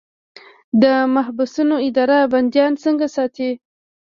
د محبسونو اداره بندیان څنګه ساتي؟